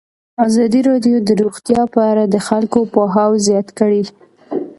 ازادي راډیو د روغتیا په اړه د خلکو پوهاوی زیات کړی.